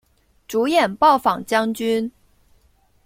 主演暴坊将军。